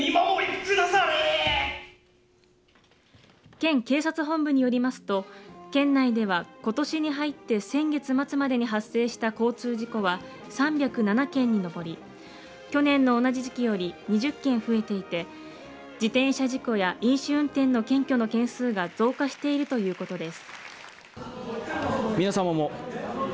県警察本部によりますと県内では、ことしに入って先月末までに発生した交通事故は３０７件に上り去年の同じ時期より２０件増えていて自転車事故や飲酒運転の検挙の件数が増加しているということです。